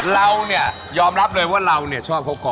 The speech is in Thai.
เราเนี่ยยอมรับเลยว่าเราเนี่ยชอบเขาก่อน